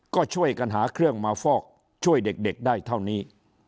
ก็ช่วยกันหาเครื่องมาฟอกช่วยเด็กได้เท่านี้